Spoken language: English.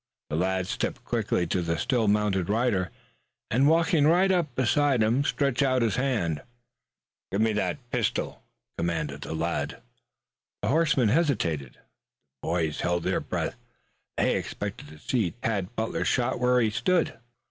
The lad stepped quickly to the still mounted rider and walking right up beside him stretched up a hand. "Give me that pistol!" commanded the lad. The horseman hesitated. The boys held their breath. They expected to see Tad Butler shot where he stood.